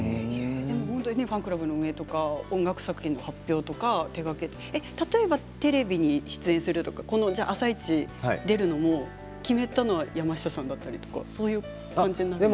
ファンクラブの運営とか音楽作品の発表とか手がけて例えばテレビに出演するとか「あさイチ」に出るのも決めたのは山下さんだったりとかそういう感じなんですか？